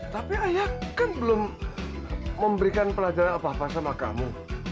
tapi ayah kan belum memberikan pelajaran apa apa sama kamu